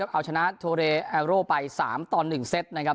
เอาชนะโทเรแอโรไป๓ต่อ๑เซตนะครับ